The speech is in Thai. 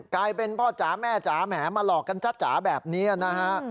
กลายเป็นพ่อจ๋าแม่จ๋าแหมมาหลอกกันจ้าแบบนี้นะฮะ